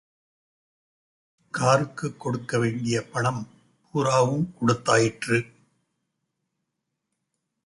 காருக்குக் கொடுக்க வேண்டிய பணம் பூராவும் கொடுத்தாயிற்று.